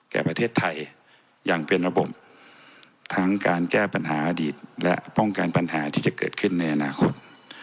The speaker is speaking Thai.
แก่ประเทศไทยอย่างเป็นระบบทั้งการแก้ปัญหาอดีตและป้องกันปัญหาที่จะเกิดขึ้นในอนาคต